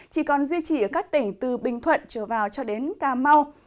chỉ còn duy trì ở các tỉnh từ bình thuận trở vào cho đến cà mau